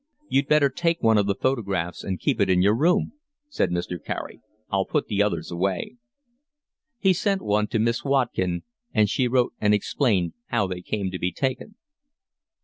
"You'd better take one of the photographs and keep it in your room," said Mr. Carey. "I'll put the others away." He sent one to Miss Watkin, and she wrote and explained how they came to be taken.